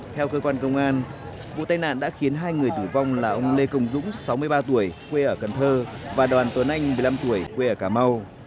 theo cơ quan công an vụ tai nạn đã khiến hai người tử vong là ông lê công dũng sáu mươi ba tuổi quê ở cần thơ và đoàn tuấn anh một mươi năm tuổi quê ở cà mau